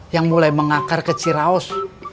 yang mulai mengakar ke ciraus